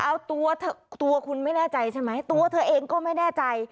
เอาตัวคุณไม่แน่ใจใช่ไหมตัวเธอเองก็ไม่แน่ใจ